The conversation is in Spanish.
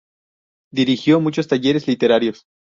Dirigió muchos talleres literarios.